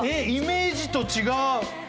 イメージと違う。